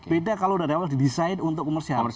beda kalau dari awal didesain untuk komersial